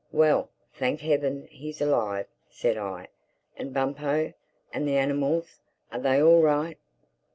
"Well, thank Heaven he's alive!" said I—"And Bumpo—and the animals, are they all right?"